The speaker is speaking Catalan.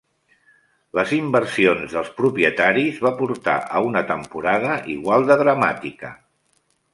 Les inversions dels propietaris va portar a una temporada igual de dramàtica.